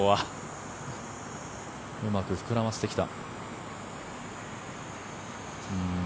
うまく膨らませてきた。